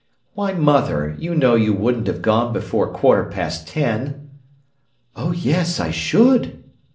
"Why, mother, you know you wouldn't have gone before quarter past ten." "Oh, yes, I should!"